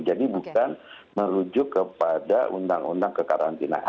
jadi bukan menuju kepada undang undang kekarantinaan